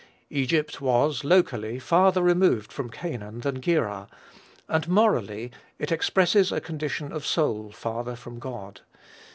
Egypt was, locally, farther removed from Canaan than Gerar; and, morally, it expresses a condition of soul farther from God.